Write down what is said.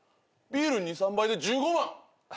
ビール２３杯で１５万！？